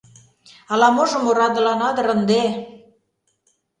— Ала-можым орадылана дыр ынде!